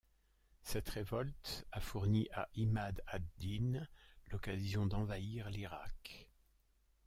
Cette révolte a fourni à `Imâd ad-Dîn, l'occasion d'envahir l'Irak.